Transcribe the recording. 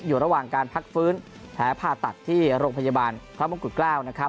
อยู่ระหว่างการพักฟื้นแผลผ่าตัดที่โรงพยาบาลพระมงกุฎเกล้านะครับ